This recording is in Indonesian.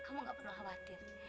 kamu gak perlu khawatir